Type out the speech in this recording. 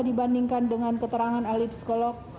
dibandingkan dengan keterangan ahli psikolog